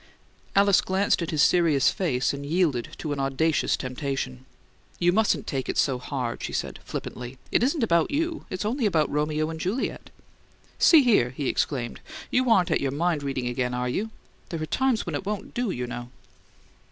Alice glanced at his serious face, and yielded to an audacious temptation. "You mustn't take it so hard," she said, flippantly. "It isn't about you: it's only about Romeo and Juliet." "See here!" he exclaimed. "You aren't at your mind reading again, are you? There are times when it won't do, you know!"